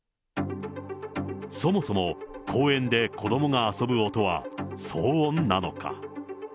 そもそも公園で子どもが遊ぶ音は騒音なのか。